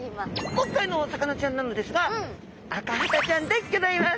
今回のお魚ちゃんなのですがアカハタちゃんでギョざいます。